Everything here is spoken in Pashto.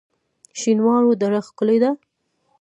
شینوارو دره ښکلې ده؟